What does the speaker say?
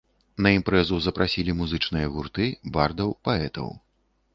На імпрэзу запрасілі музычныя гурты, бардаў, паэтаў.